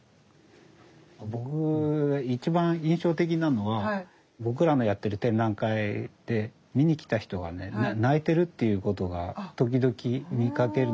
僕が一番印象的なのは僕らのやってる展覧会で見に来た人がね泣いてるっていうことが時々見かける。